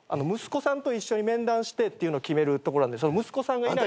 息子さんと一緒に面談してっていうの決めるとこなんで息子さんが。